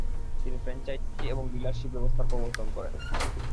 তিনি ফ্র্যাঞ্চাইজি এবং ডিলারশিপ ব্যাবস্থার প্রবর্তন করেন।